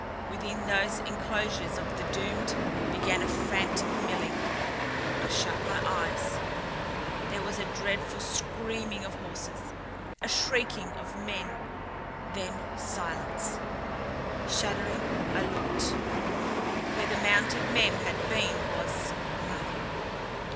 Within those enclosures of the doomed began a frantic milling I shut my eyes There was a dreadful screaming of horses, a shrieking of men. Then silence. Shuddering, I looked. Where the mounted men had been was nothing.